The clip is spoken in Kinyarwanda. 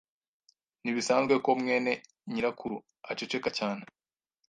Ntibisanzwe ko mwene nyirakuru aceceka cyane.